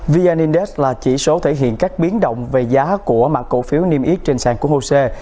vn index là chỉ số thể hiện các biến động về giá của mạng cổ phiếu niêm yết trên sàn của hồ sê